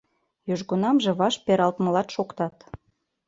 Южгунамже ваш пералтмылат шоктат.